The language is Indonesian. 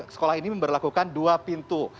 sekolah ini memperlakukan dua pintu